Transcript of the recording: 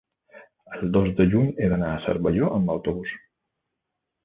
el dos de juny he d'anar a Cervelló amb autobús.